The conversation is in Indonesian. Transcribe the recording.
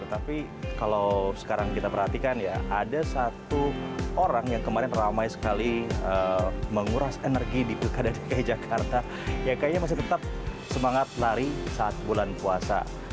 tapi kalau sekarang kita perhatikan ya ada satu orang yang kemarin ramai sekali menguras energi di pilkada dki jakarta yang kayaknya masih tetap semangat lari saat bulan puasa